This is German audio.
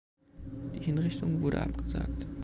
Die Hinrichtung wurde abgesagt.